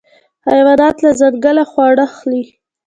حیوانات له ځنګله خواړه اخلي.